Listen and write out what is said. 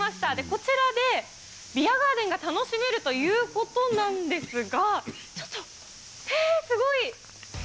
こちらでビアガーデンが楽しめるということなんですが、ちょっと、えー、すごい。